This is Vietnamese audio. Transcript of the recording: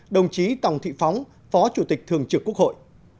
đồng chí tòng thị phóng phó chủ tịch thường trực quốc hội